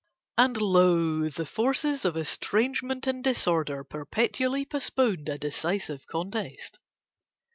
And lo, the forces of estrangement and disorder perpetually postponed a decisive contest.